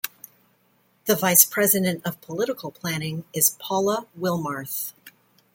The Vice President of Political Planning is Paula Willmarth.